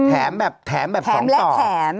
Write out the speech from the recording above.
แถมแบบสองต่อแถมและแถม